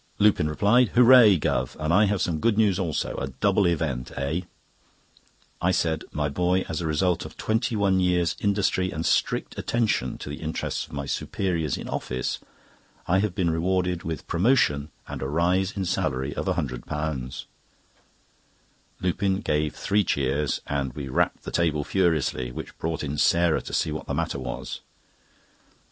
Lupin replied: "Hooray, Guv.! And I have some good news, also; a double event, eh?" I said: "My boy, as a result of twenty one years' industry and strict attention to the interests of my superiors in office, I have been rewarded with promotion and a rise in salary of £100." Lupin gave three cheers, and we rapped the table furiously, which brought in Sarah to see what the matter was.